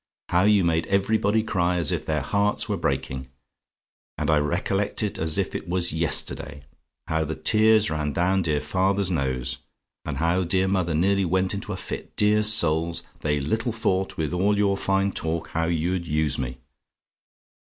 How you made everybody cry as if their hearts were breaking; and I recollect it as if it was yesterday, how the tears ran down dear father's nose, and how dear mother nearly went into a fit! Dear souls! They little thought, with all your fine talk, how you'd use me.